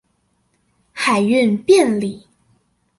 海運便利